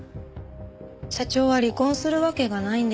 社長は離婚するわけがないんです。